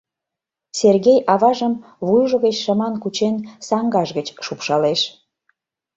— Сергей аважым, вуйжо гыч шыман кучен, саҥгаж гыч шупшалеш.